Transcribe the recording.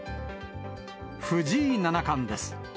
藤井七冠です。